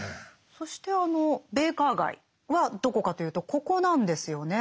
そしてあのベイカー街はどこかというとここなんですよね。